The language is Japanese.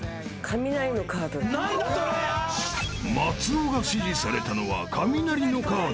［松尾が指示されたのは雷のカード］